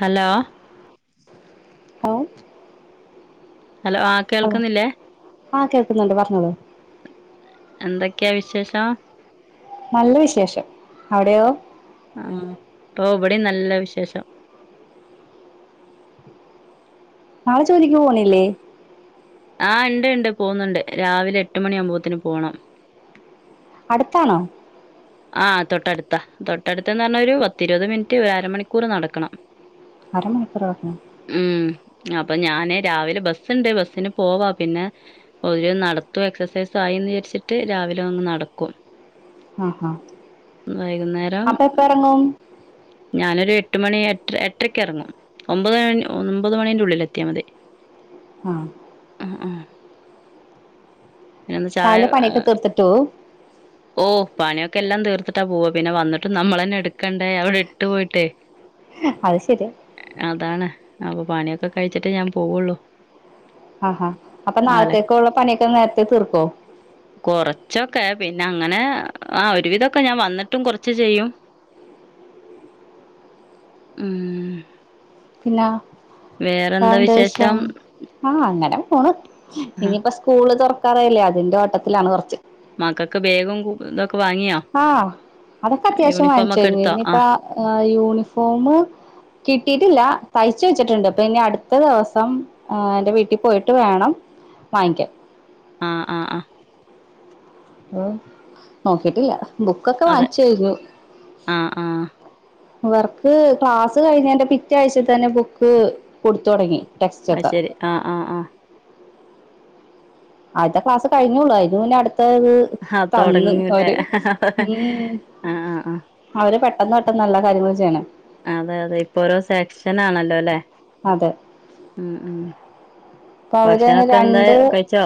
Hello ഓഹ് hello ആഹ് കേൾക്കുന്നില്ലേ ആഹ് കേൾക്കുന്നുണ്ട് പറഞ്ഞോളൂ എന്തൊക്കെയാ വിശേഷം നല്ല വിശേഷം അവിടെയോ ആഹ് ഓഹ് വടി നല്ല വിശേഷം നാളെ ജോലിക്ക് പോണില്ലേ ആ ഉണ്ട് ഉണ്ട് പോകുന്നുണ്ട് രാവിലെ എട്ട് മണിയകുമ്പോത്തിന് പോകണം അടുത്താണോ ആഹ് തൊട്ടടുത്ത തൊട്ടടുത്തന്ന് പറഞ്ഞ ഒരു പത്തിരുപത് മിനിറ്റ് ഒരു അരമണിക്കൂർ നടക്കണം അര മണിക്കൂർ വക്കണം ഉം അപ്പൊ ഞാന് രാവിലെ ബസ്സണ്ട് ബസ്സിന് പോവാ പിന്നെ ഒരു നടത്തും എക്സർസൈസ ആയിന്ന് വിചാരിച്ചിട്ട് രാവിലെ അങ്ങ് നടക്കും ആഹ ഹാ വൈകുന്നേരം പ്പഇറങ്ങും ഞാനൊരു എട്ട് മണി എ എട്ടരയ്ക്ക ഇറങ്ങും ഒമ്പത് മി ഒമ്പത് മണിൻ്റെഉള്ളിൽ എത്തിയാൽ മതി ആഹ് ആഹ് ആഹ് പിന്നൊന്ന് രാവിലെ ചായ പണിക്കെ തീർത്ത്ട്ടോ ഓ പണിയൊക്കെല്ലാം തീർത്ത്ട്ടാ പോവ പിന്നെ വന്ന്ട്ട് നമ്മളന്നെ എടുക്കണ്ടേ അവടെ ഇട്ട് പോയിട്ടേ. അഹ് ശെര്യാ. അതാണ് അപ്പൊ പണിയൊക്കെ കഴിച്ചിട്ടേ ഞാൻ പോവുള്ളു. ആഹാ അപ്പ നാളത്തേക്കുള്ള പണിയൊക്കെ നേര്ത്തെ തീർക്കോ? കൊറച്ചൊക്കെ പി ന്നെ അങ്ങനെ ആ ഒരു വിതൊക്കെ ഞാൻ വന്ന്ട്ടും കൊർച്ച് ചെയ്യും. ഉം പിന്ന വേറെന്താ വിഷയം? ആ അങ്ങനെ പോണ് ആ ഇനിപ്പ സ് കൂള് തൊറക്കാറായില്ലേ അതിന്റെ ഓട്ടത്തിലാണ് കൊർച്ച്. മക്കക്ക് ബേഗും കു ഇന്തൊക്കെ വാങ്ങി ആ അതൊക്കെ അത്യാവശ്യം ഒക്കെ വാങ്ങിച്ചാരുന്നു എടുത്തോ ഇനി ആ ഇപ്പ ഏ യൂണിഫോമ് കിട്ടിയിട്ടില്ല തയ്ച്ച് വെച്ചിട്ടുണ്ട് ഇപ്പ ഇനി അടുത്ത ദിവസം ആ എന്റെ വീട്ടിൽ പോയിട്ട് വേണം വാങ്ങിക്കാൻ. ആഹ് ആഹ് ആഹ് ഓ നോക്കിട്ടില്ല ബുക്കൊക്കെ അതെ വാങ്ങിച്ചാഴ്ര്ന്നു. ആ ആ ഇവർക്ക് ക്ലാസ് കഴിഞ്ഞേന്റെ പിറ്റേ ആഴ്ച്ച തന്നെ ബുക്ക് കൊടുത്തു തൊടങ്ങി. അഹ് ശരി ആഹ് ആഹ് ആഹ് ആദ്യത്തെ ക്ലാസ് കഴിഞ്ഞോള്ളു അയിന് മുന്നേ അടുത്തേത് ഹാ തൊടങ്ങൂല്ലേ ഉം ആഹ് ആഹ് അവര് പെട്ടെന്ന് പെട്ടെന്ന് നല്ല കാര്യങ്ങൾ ചെയ്യ്ണേ. അതെ അതെ ഇപ്പൊ ഓരോ സെക്ഷൻ ആണല്ലോ ല്ലെ? അതെ ഉം ഉം അപ്പൊ അവര് തന്നെ ഭക്ഷണൊക്കെ എന്താ രണ്ട് കഴിച്ചോ?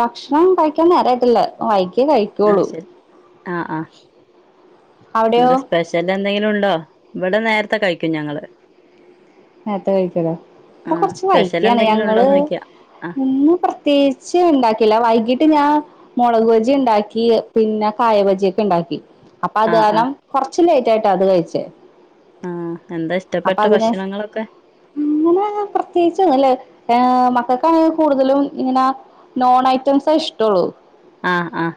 ഭക്ഷണം കഴിക്കാൻ നേരായിട്ടില്ല വൈകി കഴി ഇന്നാ ശരി ആഹ് ആഹ് അവിടെയോ എന്ത സ്പെഷ്യല് എന്തെങ്കിലും ഉണ്ടോ? ഇവടെ നേര്ത്തെ കഴിക്കും ഞങ്ങള് നേര്ത്തെ കഴിക്കുല്ലേ ഇവടെ ആഹ് കൊർച്ച് സ്പെഷ്യൽ വയ്കിയാണ് എന്തെങ്കിലും ഞങ്ങള് ഉണ്ടോന്ന് ചോയ്ക്ക ആഹ് [unintelligible] പ്രത്യേകിച്ച് ഇണ്ടാക്കില്ല വൈകിട്ട് ഞാൻ മുളക് വജി ഇണ്ടാക്കി പിന്നെ കായ വജിയക്കെ ഇണ്ടാക്കി. അപ്പ അത് ആഹ് കാരണം ആഹ് കൊർച്ച് ലൈറ്റ് ആയിട്ടാ അത് കഴിച്ചേ. ആ എന്താ അപ്പൊ ഇഷ്ടപ്പെട്ട അതിന് ഭക്ഷണങ്ങളൊക്കെ? അങ്ങനെ പ്രത്യേകിച്ച്ന്നല്ലേ ഏ മക്കക്കാണ് കൂടുതലും ഇങ്ങനെ നോൺ ഐറ്റംസേ ഇഷ്ടോള്ളു. ആഹ് ആഹ്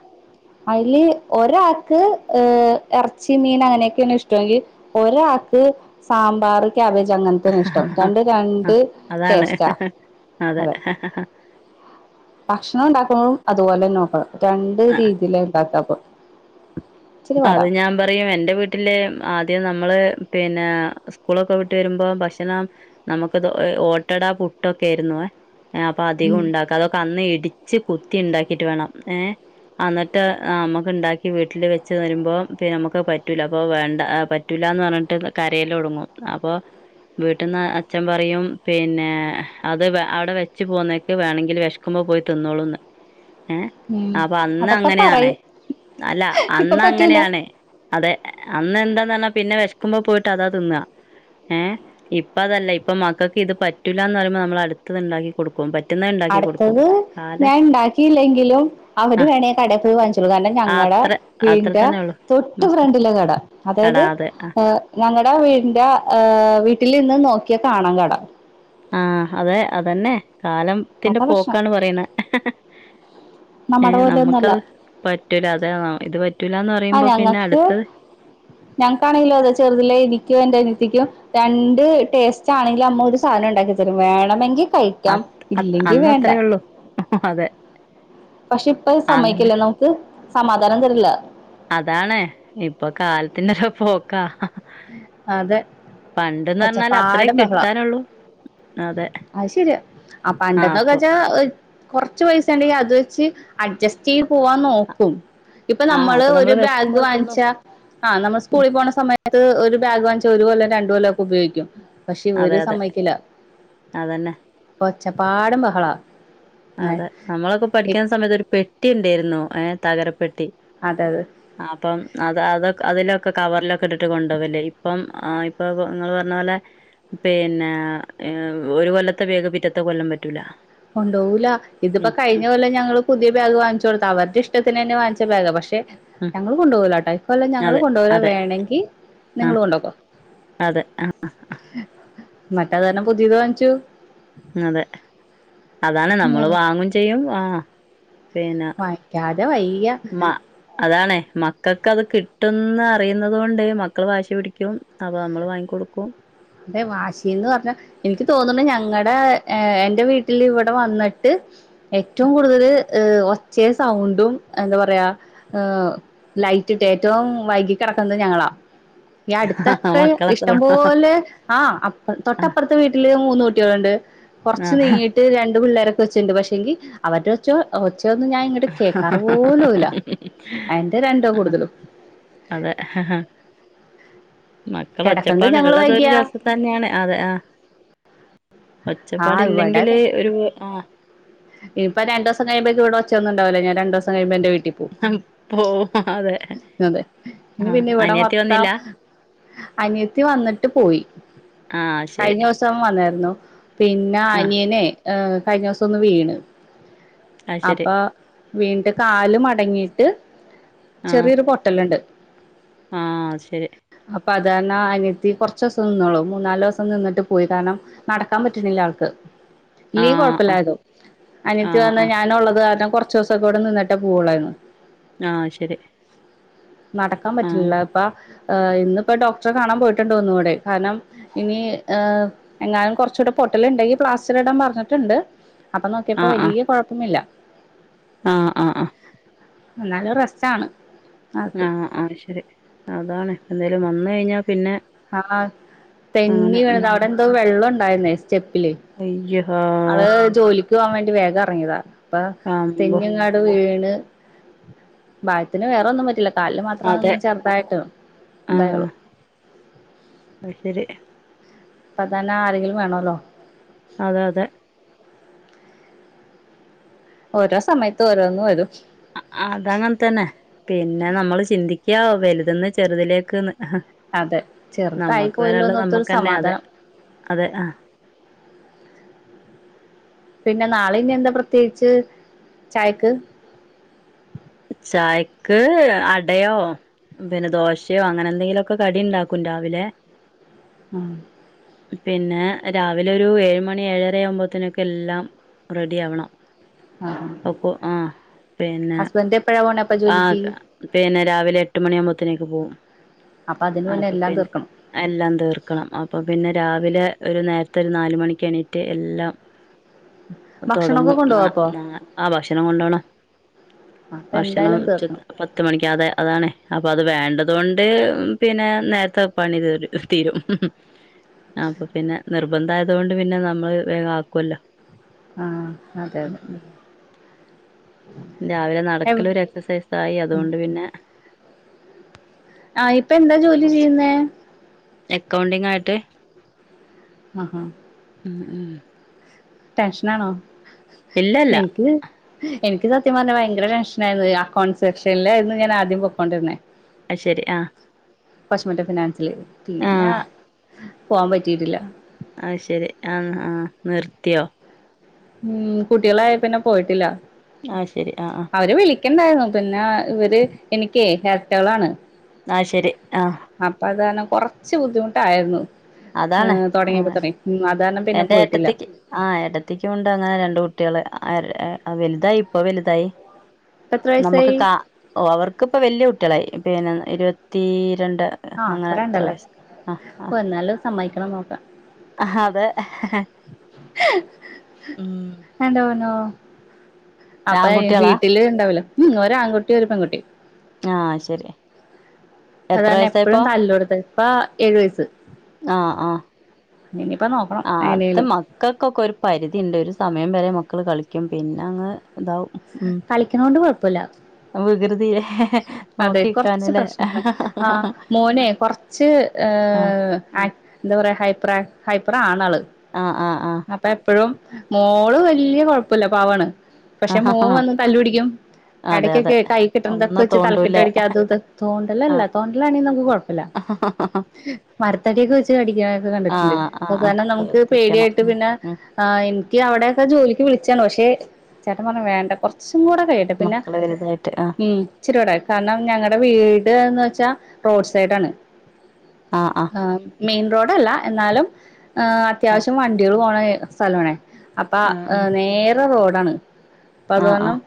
അയ്ല് ഒരാക്ക് ഹ് എർച്ചി, മീൻ അങ്ങനെയക്കേണ് ഇഷ്ടങ്കി ഒരാക്ക് സാമ്പാർ ക്യാബേജ് അങ്ങൻത്തെ ഇഷ്ടം രണ്ട് ആഹ് രണ്ട് അതാണ് ടേസ്റ്റാ. അതെ ഭക്ഷണം ഇണ്ടാക്കുമ്പോഴും അതു പോലെന്നെ നോക്കണം രണ്ട് ആഹ് രീതിയില ഇണ്ടാക്കപ്പം. അത് ഞാൻ പറയും എന്റെ വീ ട്ടില് ആദ്യം നമ്മള് പിന്നെ സ്കൂളൊക്കെ വിട്ട് വരുമ്പോ ഭക്ഷണം നമുക്ക് ഇത് ഓട്ടട പുട്ടൊക്കെയിരുന്നുവേ എ അപ്പ അധികം ഉം ഇണ്ടാക്ക അതൊക്കെ അന്ന് ഇടി ച്ച് കുത്തി ഇണ്ടാക്കിട്ട് വേണം ഏഹ് അന്നട്ട് നമുക്ക് ഇണ്ടാക്കി വീട്ടില് വെ ച്ച് തരുമ്പോ പിന്നെ നമുക്ക് പറ്റൂല അപ്പോ വേണ്ട പറ്റൂലന്ന് പറഞ്ഞിട്ട് കരയല് തൊടങ്ങും അപ്പോ വീട്ടിന്ന് അച്ഛൻ പറയും പിന്നെ അത് അവടെ വെച്ച് പോന്നേക്ക് വേണങ്കില് വിഷ ക്കുമ്പോ പോയി തിന്നോളൂന്ന് ഏഹ് ഉം അപ്പോ അന്ന് അതൊക്കെ അങ്ങനെയാണേ പറയും അല്ല ഇപ്പൊ അന്ന് പറ്റൂല അങ്ങനെയാണെ അതെ അന്ന് എന്താന്ന് പറഞ്ഞാ പിന്നെ വെശക്കുമ്പോ പോയിട്ട് അതാ തിന്നാ ഏഹ് ഇപ്പ അതല്ല ഇപ്പോ മക്കക്ക് ഇത് പറ്റൂല്ലന്ന് പറയുമ്പോ നമ്മൾ അടുത്തത്ണ്ടാക്കി കൊടുക്കും പ ണ്ടാക്കി കൊടുക്കും. അത് ഞാൻ ഇണ്ടാക്കില്ലെങ്കിലും ആ അവര് വേണേ കട പോയി വാങ്ങിച്ചോളു കാരണം ആ ഞങ്ങടെ അത്ര അത്ര വീന്റെ തന്നെ ഉള്ളു തൊട്ട് മക്കൾ ഫ്രണ്ടിലെ കട അതായത് കടാതെ ആ ഏഹ് ഞങ്ങടെ വീടിന്റെ ഏഹ് വീട്ടിൽ നിന്ന് നോക്കിയാ കാണാം കട. ആഹ് അതെ അതന്നെ കാലം ത്തിന്റെ അതാ പ്രശ്നം പോക്കാണ് പറയണേ നമ്മടെ ഏഹ് പോലെയൊന്നുമല്ല നമുക്കത് പറ്റൂല അത ഇത് പ ആഹ് ഞങ്ങക്ക് ഞങ്ങക്കാണെങ്കിലോ അതെ ചെറുതിലേ എനിക്കും എന്റെ അനിയത്തിക്കും രണ്ട് ടേസ്റ്റ് ആണെങ്കിലും അമ്മ ഒരു സാധനം ഒണ്ടാക്കിത്തരും വേണമെങ്കി അ കഴിക്കാം ഇല്ലെങ്കിൽ വേണ്ട. അന്നത്രേ ഉള്ളൂ അതെ പക്ഷെ ഇപ്പൊ അന്നെ സമ്മയിക്കല്ല നമുക്ക് സമാധാനം തരില്ല. അതാണ് ഇപ്പോ കാലത്തിന്റെരു പോക്കാ. അതെ പണ്ടന്നറഞ്ഞാല് അത്ര ഒച്ചപ്പാടും ബഹളവാ കിട്ടാനുള്ളൂ. അതെ അത് ശെരിയാ ആ ആഹ് അപ്പൊ പണ്ടെന്നൊക്കെച്ചാ കൊറച്ച് പൈസ ഒണ്ടങ്കി അത് വെച്ച് അഡ്ജസ്റ്റ് ചെയ്ത് പോവാന്നോക്കും. ഇപ്പോ ആഹ് നമ്മള് അപ്പൊ ഒരു ബാഗ് വിശക്കുമ്പോ വാങ്ങിച്ച തിന്നും ആഹ് നമ്മള് സ്കൂളിൽ പോണ സമയത്ത് ഒരു ബാഗ് വാങ്ങിച്ച ഒരു കൊല്ലം രണ്ട് കൊല്ലക്കെ ഉപയോഗിക്കും. പക്ഷേ അതെ ഇവര് അതെ സമ്മയിക്കില്ല. അതന്നെ ഒച്ചപ്പാടും ബഹളാ അതെ നമ്മളക്കെ പഠിക്കുന്ന സമയത്ത് ഒരു പെട്ടി ഇണ്ടേരുന്നു ഏഹ് തകര പെട്ടി. അതെ അതെ അപ്പം അത് അതൊ അതിലൊക്കെ കവറിലൊക്കെ ഇട്ടിട്ട് കൊണ്ടുപോകല്ലേ ഇപ്പം ഇപ്പ ഇങ്ങള് പറഞ്ഞ പോലെ പിന്നെ ഒരു കൊല്ലത്തെ ബേഗ് പിറ്റത്തെ കൊല്ലം പറ്റൂല. കൊണ്ടോവുല ഇതിപ്പോ ഉം കഴിഞ്ഞ ഉം കൊല്ലം ഞങ്ങള് പുതിയ ബാഗ് വാങ്ങിച്ചു കൊടുത്ത അവരുടെഷ്ടത്തിനന്നെ വാങ്ങിച്ച ബാഗാ പഷേ ഉം ഞങ്ങള് കൊണ്ടുപോവുലട്ടോ ഈക്കൊലം ഞങ്ങള് അതെ കൊണ്ടോവുലാ അതെ വേണങ്കി നിങ്ങള് ആഹ് കൊണ്ട്ക്കോ അതെ ആഹ് ആഹ് ന്നട്ട് അത് കാരണം പുതിയത് വാങ്ങിച്ചു. അതെ അതാണ് നമ്മള് വാങ്ങും ചെയ്യും ആഹ് വായിക്കാതെ വയ്യ. അതാണെ മക്കക്ക് അത് കിട്ടുന്ന് അറിയന്നത് കൊണ്ട് മക്കള് വാശിപിടിക്കും അപ്പോ നമ്മള് വാങ്ങിക്കൊടുക്കും. അതെ വാശിന്ന് പറഞ്ഞ എനിക്ക് തോന്നണെ ഞങ്ങടെ എന്റെ വീട്ടിൽ ഇവടെ വന്നിട്ട് ഏറ്റോം കൂടുതല് ഏഹ് ഒച്ചേം സൗണ്ടും എന്താ പറയാ ഏഹ് ലൈറ്റിട്ട് ഏറ്റോം വൈകി കെടക്കുന്നേ ഞങ്ങളാ ഈ അടുത്തക്കെ മക്കളെ ഇഷ്ടം സൗണ്ട് പോലെ ആഹ് അപ്പ തൊട്ടപ്പറത്തെ വീട്ടില് മൂന്ന് കുട്ടികളുണ്ട് കൊറച്ച് ആ നീങ്ങി ട്ട് രണ്ട് പിള്ളേരൊക്കെ വെച്ച്ണ്ട് പക്ഷെങ്കി അവര് ഉച്ച ഒച്ചൊന്നും ഞാൻ ഇങ്ങോട്ട് കേക്കാറ് പോലല്ല അയിന്റെ രണ്ടോ കൂടുതലും അതെ മക്കള കിടക്കുന്നത് ഞങ്ങള് ഒച്ചപ്പാടുള്ളതരു വൈകിയാ രസ തന്നെയാണ് അതെ ആ ആ ഒച്ചപ്പാട ഇല്ലെങ്കില് ഒരു ആ ഇനിപ്പ രണ്ടവസം കഴിഴുമ്പോക്ക് ഇവിടെച്ച ഒന്നണ്ടാവില്ല ഞാ രണ്ടിവംഴിയ്പോ എന്റെ പോവും അതെ വീിൽ അതെ ഇനി ആ പിന്നെ ഇവിടെ അനിയത്തി മത്താം വന്നില്ല അനിയത്തി വന്നിട്ട് പോയി ആ ശരി കഴിഞ്ഞ വ സം വന്നായിരുന്നു പിന്നെ ആ അനിയനെ ഹ കഴിഞ്ഞ ദിവസം ഒന്ന് വീണ് ആ ശരി അപ്പൊ വീണ്ട കാൽ മടങ്ങിട്ട് ചെറിയൊരു പൊട്ടലുണ്ട് ആഹ ശരി അപ്പൊ അതാരാ അനത്തി കുറച്ച് ദിവസം നിന്നോളൂ മൂന്നാല് ദിവസം നിന്നിട്ട് പോയി കാരണം നടക്കാൻ പറ്റുന്നില്ല ആൾക്ക് ആ ഇല്ലീ ആ കൊഴപ്പില്ലായതോ ആ അനത്തി വന്ന ആ ഞാന ഉള്ളത് കാരണം കുറച്ച് കൊറച്ചൂസക്കോടെ നിന്നട്ട പോളായിരുന്നു ആഹ ശരി നടക്കാൻ ആ പറ്റില്ല അപ്പ ഇന്നിപ്പോ ഡോക്ടറെ കാണാൻ പോയിട്ടുണ്ടോന്ന കൂടെ കാരണം ഇനി എങ്ങാനും കുറച്ചൂ പൊട്ടല ഉണ്ടെങ്കിൽ പ്ലാസ്റ്റർ ഇടാൻ പറഞ്ഞിട്ടുണ്ട് അപ്പൊ നോക്കിയപ്പോ വലിയ കുഴപ്പമില്ല ആഹ ആ ആഹ് എന്നാലും റസ്റ്റാണ് ആഹ ആഹ് ശരി അതാണ് എന്താലും വന്ന കഴിഞ്ഞാൽ പിന്നെ ആഹ അങ്ങനെ തങ്ങി വേണ ഉം അവിടെ എന്തോ വെള്ളം ഉണ്ടായിരുന്നേ സ്റ്റെപ്പില് അയ്യടാ ആള് ജോലിക്ക് പോകവാൻ വേണ്ടി വേഗം ഇറങ്ങിയതാ അപ്പൊ അമ്പോ തഞ്ഞുങ്ങാട് വീണ് ഭഗത്തിന് വേറെ ഒന്നും പറ്റില്ല കല്ല് മാത്രമ അതെ ഒന്ന് ചെറുതായിട്ട് ഉന്തായുള്ളൂ അഹ് ശരി അപ്പതന്നെ ആരെങ്കിലും വേണമല്ലോ അതെ അതെ ഓരോ സമയത്ത ഓരോന്നും വരും അതങ്ങനെ തന്നെ പിന്നെ നമ്മൾ ചിന്തിക്കോ വലുതന്ന് ചെറുതിലേക്ക് അതെ ചെറുതായി നമ്മുക്ക് വരുള്ളത് പോയല്ലോന്നോർത്തൊരു നമ്മുക്ക്ന്നെ അതെ സമാധാനം അതെ ആ പിന്നെ നാളന്നെ എന്താ പ്രത്യേകിച്ച് ചായക്ക് ചായക്ക് അടയോ പിന്നെ ദോശയോ അങ്ങനെ എന്തെങ്കിലുംൊക്കെ കടി ഉണ്ടാക്കും രാവിലെ ആഹ് പിന്നെ രാവിലെ ഒരു ഏഴ മണി ഏഴര ആവുമ്പോത്തേനൊക്കെ എല്ലാം റെഡി ആവണം ആ ഒക്കെ ഹസ്ബൻഡ് എപ്പഴ പോ ആഹ പിന്നെ രാവിലെ എട്ട് മണിയാകുമ്പോത്തനേക്ക് പോകും അതിന് ആ മുന്നേ അപ്പൊ എല്ലാം പിന്നെ തീർക്കണം എല്ലാം തീർക്കണം അപ്പം പിന്നെ രാവിലെ ഒരു നേരത്തെ ഒരു നാ മണിക്ക് എണീറ്റ് എല്ലാം ഭക്ഷണൊക്കെ തുടങ്ങും കൊണ്ടോവോ ആ അപ്പൊ ആ ഭക്ഷണം കൊണ്ടോണ അപ്പൊ ഭക്ഷണം എന്തായാലും ഉച്ച തീർക്കണം പത്ത് മണിക്ക് അതെ അതാണേ അപ്പൊ അത് വേണ്ടതൊണ്ട് പിന്നെ നേരത്തെ പണിത് തീരും അപ്പൊ പിന്നെ നിർബന്ധായതുകൊണ്ട് പിന്നെ നമ്മള് വേഗാക്കുവല്ലോ ആഹ് അതെ അതെ രാവിലെ എവ് നടക്കലു ഒരു എക്സസൈസായി അതുകൊണ്ട് പിന്നെ ആഹ് ഇപ്പ എന്താ ജോലി ചെയ്യുന്നേ എക്കൗണ്ടിംഗായിട്ട് ആഹാ ഉം ഉം ടെൻഷ്നാണോ ഇല്ലല്ല എനിക്കും എനിക്ക് സത്യം പറഞ്ഞാൽ ഭയങ്കര ടെൻഷ്നായിയിരുന്നു അക്കൗണ്ട് സെക്ഷൻലായിരുന്നു ഞാൻ ആദ്യം പൊക്കോണ്ടിരുന്നേ അയ്ശരി ആഹ് കൊശമറ്റം ഫിനാൻസില് പിന്ന ആഹ് പോവാൻ പറ്റീട്ടില്ല അയ്ശരി ആഹ് ആഹ് നിർത്തിയോ ഉം കുട്ടികളായേ പിന്ന പോയിട്ടില്ല ആഹ് ശരി ആഹ് ആഹ് അവര് വിളി ക്കിണ്ടായിരുന്നു പിന്നാ ഇവര് എനിക്കേ എരട്ടകളാണ് ആയ്ശരി ആഹ് അപ്പ അതാണ് കൊറച്ച് ബുദ്ധിമുട്ടായിര്ന്നു അതാണ് ആഹ് തൊടങ്ങിയപ്പൊ ആഹ് തൊട്ടേ ഉം അതാരണം പിന്നെ എന്റെ പോയിട്ടില്ല ഏട്ടത്തിക്ക് ആഹ് ഏട്ടത്തിക്കും ഉണ്ട് അങ്ങനെ രണ്ടു കുട്ട്യാള് വലുതായി ഇപ്പൊ വലുതായി ഇപ്പ എത്ര നമ്മുക്ക് വയസായി കാ ഓഹ് അവർക്ക് ഇപ്പ വെല്ല്യ കുട്ട്യാളായി പിന്നെ ഇരുപത്തീരണ്ട് ആഹ് ഇപ്പ രണ്ടല്ലേ എന്നാലും സമ്മയിക്കണം നോക്കാം അതെ ഉം എന്റെ പൊന്നോ അപ്പ ആൺകുട്ടികളാ വീട്ടില് ഇണ്ടാവില്ലോ ഉം ഒരു ആൺകുട്ടി ഒരു പെൺകുട്ടി ആഹ് ശരി അത് എത്ര തന്നെ എപ്പഴും വയസായിപ്പോ തല്ലു കൊടുത്ത് ഇപ്പാ ഏഴു വയസ്സ് ആഹ് ആഹ് ഇനിയിപ്പ നോക്കണം ആഹ് അത് എങ്ങനേലും മ ക്കക്കൊക്കൊരു പരിധിയിണ്ട് ഒരു സമയം വരെ മക്കള് കളിക്കും പിന്നങ്ങ് ഇതാവും കളിക്കണോണ്ട് കൊഴപ്പല്ല ആ വികൃതിയെ നോക്കിനിക്കാനല്ലേ ആഹ് മോനെ കൊറച്ച് ആ ഏഹ് ആ എന്താ പറയാ ഹൈപ്പറാ ഹൈപ്പറാണാള് ആഹ് ആഹ് ആഹ് അപ്പ എപ്പഴും മോള് വല്ല്യ കുഴപ്പല്ല പാവാണ് പക്ഷെ മോൻ ആ വന്ന് തല്ലു പിടിക്കും അതെ അതെ എടയ്ക്കൊക്കെ കൈ കിട്ട്ണതൊക്കെ ഒന്ന് വെച്ച് തല ക്ക്‌ ഇട്ട് തോണ്ടൂല്ലേ അടിക്കാ അതും ഇതും ആ തോണ്ടലല്ല തോണ്ടലാണെ നമുക്ക് കുഴപ്പല്ല [unintelligible] മരത്തടിയൊക്കെ വെച്ച് അടിക്കണൊക്കെ ആ കണ്ടിട്ടുണ്ട് ആ അത്‌ ആ കാരണം നമുക്ക് ശ്രദ്ധിക്കണം പേടിയായിട്ട് ഉം പിന്നെ ഉം ആഹ് എനിക്ക് അവിടെക്കെ ജോലിക്ക് വിളിച്ചാണ് പക്ഷേ ചേട്ടൻ പറഞ്ഞു വേണ്ട കൊ കുറച്ചും കൂടെ കഴിയട്ടെ പിന്നെ മക്കള് വലുതായിട്ട് ആ ഉം ഇച്ചിരൂടെ കാരണം ഞങ്ങടെ വീട്ന്ന് വെച്ചാ റോഡ് സൈഡ് ആണ് ആഹ് ആഹ് മെയിൻ റോഡല്ല എന്നാലും ആ അത്യാവശ്യം വണ്ടികൾ പോണ സ്ഥലാണേ അപ്പൊ ആ നേരെ റോഡാണ് അപ്പ അത് ആ ആ കാരണം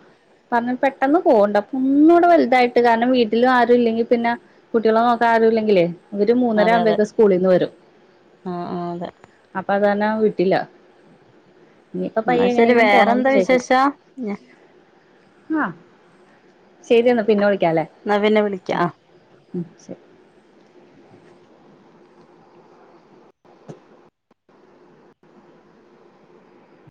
പറഞ്ഞാൽ പെട്ടന്ന് പോകണ്ട് അപ്പൊ ഒന്നൂടെ വലുതായി ട്ട് കാരണം വീട്ടില് ആരും ഇല്ലെങ്കിൽ പിന്നെ കുട്ടികളെ നോക്കാൻ ആരും ഇല്ലെങ്കിലെ ഇവര് മൂന്നര അതെ അതെ ആവ്മ്പേക്കി സ്കൂളിൽന്ന് വരും ആ ആ അതെ അപ്പൊ അത് കാരണം വിട്ടില്ല ഇനിയിപ്പ എന്നാ പയ്യെ ശരി എങ്ങനെങ്കിലും പോണോന്ന് വേറെന്താ വിചാരിക്കുന്നു വിശേഷം ഞാ ആഹ് ശരിയെന്നാ പിന്നെ വിളിക്കാലേ? ഇന്നാ പിന്നെ വിളിക്കാ ഉം ശരി